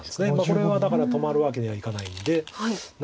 これはだから止まるわけにはいかないんで何か。